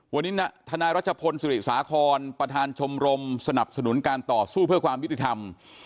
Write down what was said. วันนี้ทนายรัชพลสุริสาครประธานชมรมสนับสนุนการต่อสู้เพื่อความยุติธรรม